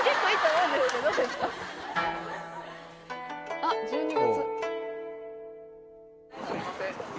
あっ１２月。